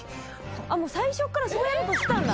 もう最初からそうやろうとしてたんだ。